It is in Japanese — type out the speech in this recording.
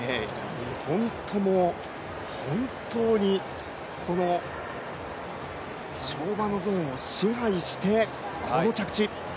２本とも、本当に跳馬のゾーンを支配してこの着地。